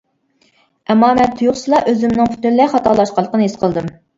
ئەمما مەن تۇيۇقسىزلا، ئۆزۈمنىڭ پۈتۈنلەي خاتالاشقانلىقىنى ھېس قىلدىم.